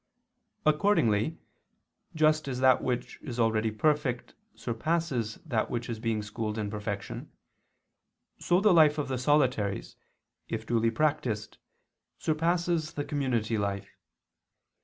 Accordingly, just as that which is already perfect surpasses that which is being schooled in perfection, so the life of the solitaries, if duly practiced, surpasses the community life.